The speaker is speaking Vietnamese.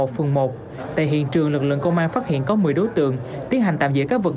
phường một tại hiện trường lực lượng công an phát hiện có một mươi đối tượng tiến hành tạm giữ các vật